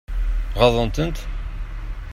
Ɣaḍent-ten?